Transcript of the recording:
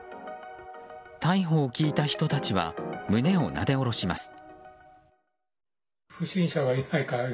逮捕を聞いた人たちは胸をなで下ろします。